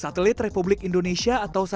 satelit republik indonesia atau satria satu